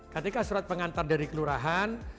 ketika surat pengantar dari kelurahan